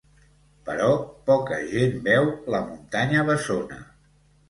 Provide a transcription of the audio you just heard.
Però poca gent veu la muntanya bessona.